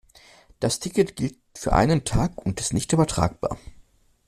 Das Ticket gilt für einen Tag und ist nicht übertragbar.